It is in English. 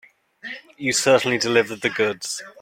You certainly delivered the goods.